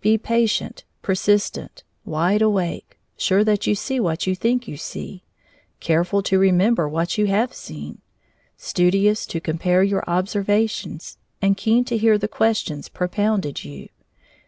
Be patient, persistent, wide awake, sure that you see what you think you see, careful to remember what you have seen, studious to compare your observations, and keen to hear the questions propounded you.